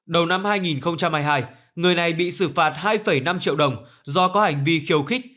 đầu năm hai nghìn hai mươi hai người này bị xử phạt hai năm triệu đồng do có hành vi khiêu khích